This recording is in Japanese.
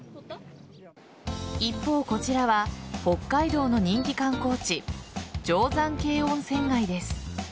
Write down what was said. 一方、こちらは北海道の人気観光地定山渓温泉街です。